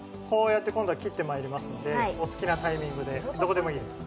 切ってまいりますので、お好きなタイミングでどこでもいいです。